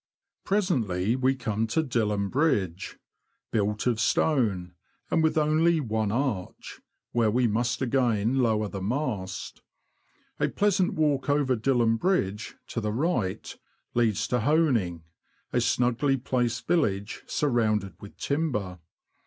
Presently we come to Dilham Bridge — built of stone, and with only one arch — where we must again lower the mast. A pleasant walk over Dilham Bridge, to the right, leads to Honing, a snugly placed village, N 2 180 THE LAND OF THE BROADS. surrounded with timber.